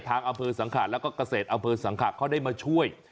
อำเภอสังขะแล้วก็เกษตรอำเภอสังขะเขาได้มาช่วย